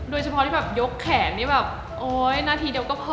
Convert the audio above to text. โดยเฉพาะยกแขนเนี่ยแบบโอ๊ยนาทีเดียวก็พอแล้ว